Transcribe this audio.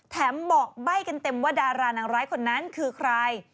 บอกใบ้กันเต็มว่าดารานางร้ายคนนั้นคือใคร